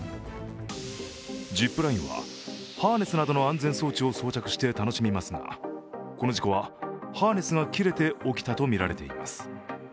ジップラインは、ハーネスなどの安全装置をつけて楽しみますがこの事故は、ハーネスが切れて起きたとみられています。